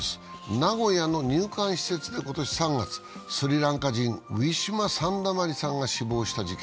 名古屋の入管施設で今年３月、スリランカ人、ウィシュマ・サンダマリさんが死亡した事件。